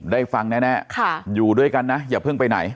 ได้ฟังแน่อยู่ด้วยกันนะอย่าเพิ่งไปไหน